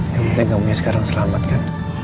yang penting kamu yang sekarang selamat kan